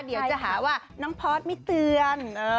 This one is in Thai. เดี๋ยวจะหาว่าน้องพอร์ตไม่เตือน